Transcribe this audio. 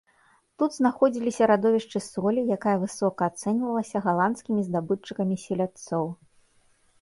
Тут знаходзіліся радовішчы солі, якая высока ацэньвалася галандскімі здабытчыкамі селядцоў.